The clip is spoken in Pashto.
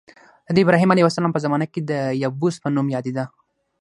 دا د ابراهیم علیه السلام په زمانه کې د یبوس په نوم یادېده.